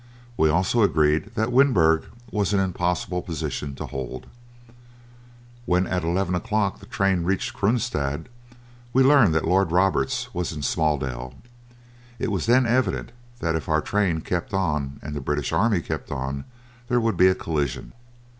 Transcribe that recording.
We also agreed that Winburg was an impossible position to hold. When at eleven o'clock the train reached Kroonstad, we learned than Lord Roberts was in Smaaldel. It was then evident that if our train kept on and the British army kept on there would be a collision.